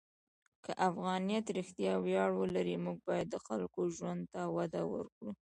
که افغانیت رښتیا ویاړ ولري، موږ باید د خلکو ژوند ته وده ورکړو.